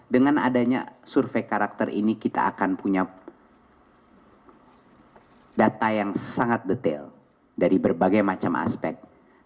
dengan adanya survei karakter ini kita akan punya data yang sangat detail dari berbagai macam aspek